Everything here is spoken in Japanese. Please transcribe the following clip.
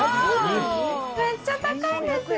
めっちゃ高いんですよ！